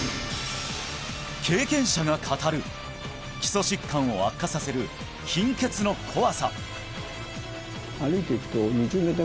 経験者が語る基礎疾患を悪化させる貧血の怖さ